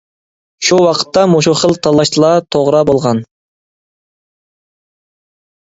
شۇ ۋاقىتتا مۇشۇ خىل تاللاشلا توغرا بولغان.